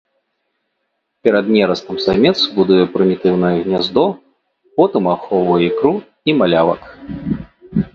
Перад нерастам самец будуе прымітыўнае гняздо, потым ахоўвае ікру і малявак.